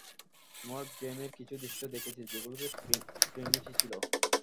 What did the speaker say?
তোমার গেমের কিছু দৃশ্য দেখেছি, যেগুলোতে ট্রিনিটি ছিল।